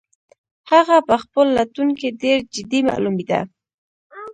هغه په خپل لټون کې ډېر جدي معلومېده.